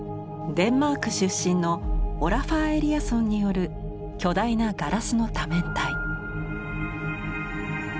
デンマーク出身のオラファー・エリアソンによる巨大なガラスの多面体。